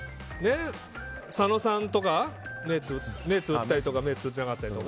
佐野さんとか目をつぶったりとか目をつぶってなかったりとか。